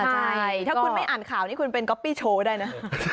ใช่ถ้าคุณไม่อ่านข่าวนี้คุณเป็นก๊อปปี้โชว์ได้นะ